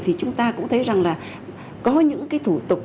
thì chúng ta cũng thấy rằng là có những cái thủ tục